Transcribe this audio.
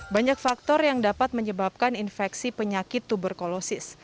banyak faktor yang dapat menyebabkan infeksi penyakit tuberkulosis